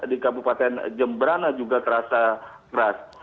di kabupaten jemberana juga terasa keras